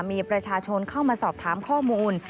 มีประชาชนเข้ามาสอบถามข้อมูล